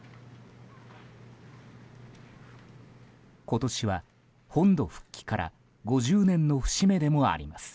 今年は本土復帰から５０年の節目でもあります。